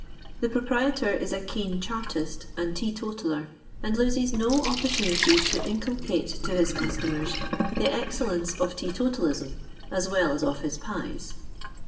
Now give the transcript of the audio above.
The proprietor is a keen Chartist and teetotaller, and loses no opportunity to inculcate to his customers the excellence of teetotalism, as well as of his pies.